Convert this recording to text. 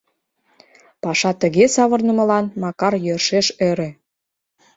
Паша тыге савырнымылан Макар йӧршеш ӧрӧ.